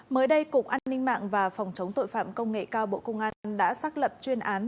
mới đây cục an ninh mạng và phòng chống tội phạm công nghệ cao bộ công an đã xác lập chuyên án